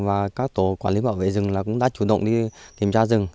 và các tổ quản lý bảo vệ rừng cũng đã chủ động đi kiểm tra rừng